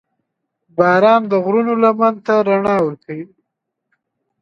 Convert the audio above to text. • باران د غرونو لمن ته رڼا ورکوي.